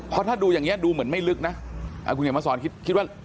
เพราะถ้าดูอย่างนี้ดูเหมือนไม่ลึกนะคุณเขียนมาสอนคิดคิดว่า